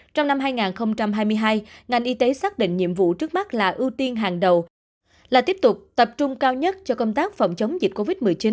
trong năm hai nghìn hai mươi hai ngành y tế xác định nhiệm vụ trước mắt là ưu tiên hàng đầu là tiếp tục tập trung cao nhất cho công tác phòng chống dịch covid một mươi chín